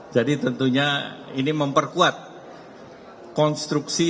jadi tentunya ini memperkuat konstruksi